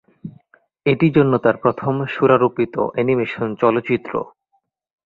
এটি জন্য তার প্রথম সুরারোপিত অ্যানিমেশন চলচ্চিত্র।